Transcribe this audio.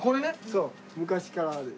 そう昔からある。